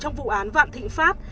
trong vụ án vạn thịnh pháp